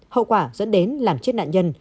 hậu quả dẫn đến làm chết nạn nhân